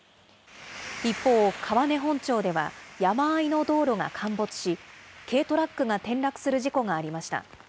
一方、川根本町では、山あいの道路が陥没し、軽トラックが転落する事故がありました。